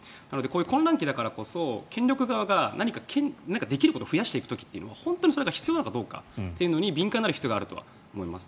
混乱期に権力側が何かできることを増やしていくことは本当にそれが必要なのかどうかに敏感になる必要があるかと思います。